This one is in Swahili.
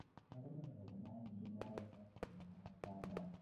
Masomo ya zamani naya sasa inaachana